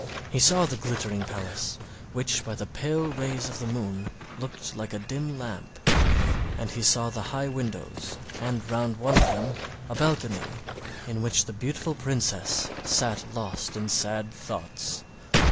He saw the glittering palace, which by the pale rays of the moon looked like a dim lamp; and he saw the high windows, and round one of them a balcony in which the beautiful princess sat lost in sad thoughts.